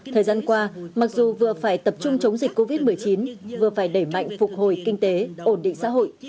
thời gian qua mặc dù vừa phải tập trung chống dịch covid một mươi chín vừa phải đẩy mạnh phục hồi kinh tế ổn định xã hội